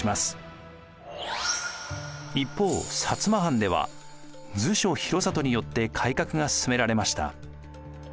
一方薩摩藩では調所広郷によって改革が進められました。